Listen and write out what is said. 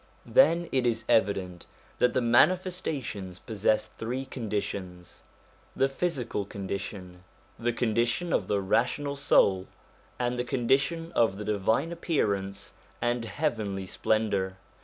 Then it is evident that the Manifestations possess three conditions : the physical condition, the condition of the rational soul, and the condition of the divine appearance and heavenly splendour.